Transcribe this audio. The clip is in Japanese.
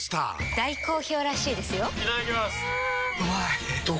大好評らしいですよんうまい！